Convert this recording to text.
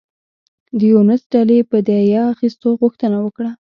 د یونس ډلې د دیه اخیستو غوښتنه وکړه.